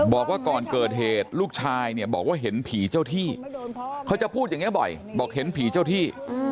บอกว่าก่อนเกิดเหตุลูกชายเนี่ยบอกว่าเห็นผีเจ้าที่เขาจะพูดอย่างนี้บ่อยบอกเห็นผีเจ้าที่